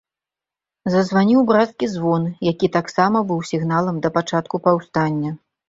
Зазваніў брацкі звон, які таксама быў сігналам да пачатку паўстання.